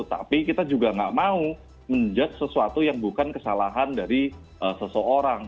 tapi kita juga nggak mau menjudge sesuatu yang bukan kesalahan dari seseorang